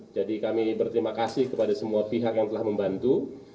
jadi kami berterima kasih kepada semua pihak yang telah membantu